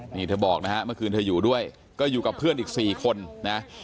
นี่เธอบอกนะฮะเมื่อคืนเธออยู่ด้วยก็อยู่กับเพื่อนอีก๔คนนะ